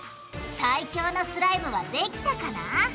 最強のスライムができたかな？